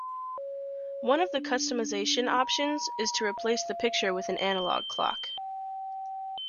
One of the customization options is to replace the picture with an analog clock.